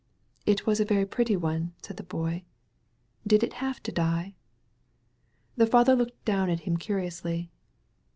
"It was a very pretty one," said the Boy. "Did it have to die?" The father looked down at him. curiously.